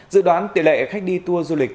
dự đoán tỷ lệ khách đi tour du lịch